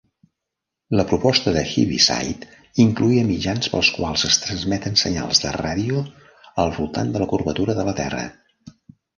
La proposta de Heaviside incloïa mitjans pels quals es transmeten senyals de ràdio al voltant de la curvatura de la Terra.